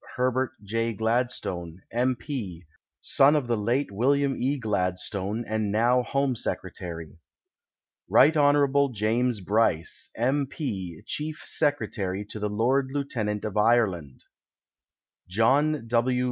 Herbert J. Gladstone, M. P., son of the late William E. Gladstone, and now Home Secretai y. Rt. Hon. James Bryce, M. P., Chief Secretary to the Lord Lieutenant of Ireland. John AV.